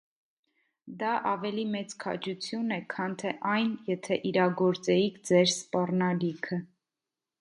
Դա ավելի մեծ քաջություն է, քան թե ա՛յն, եթե իրագործեիք ձեր սպառնալիքը: